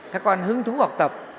các con hứng thú học tập